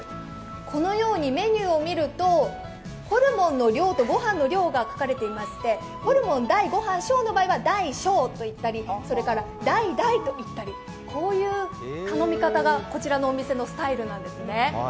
このようにメニューを見ると、ホルモンの量とご飯の量が書かれていましてホルモン大、ご飯大の場合は大・大と言ったりこういう言い方がこちらのお店のスタイルなんです。